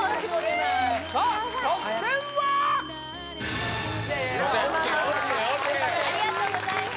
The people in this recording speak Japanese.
まあまあありがとうございます